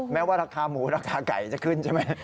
แม้ว่าราคาหมูราคาไก่จะขึ้นใช่ไหม